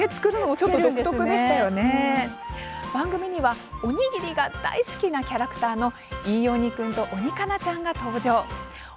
番組にはおにぎりが大好きなキャラクターイイオニくんとオニカナちゃんが登場します。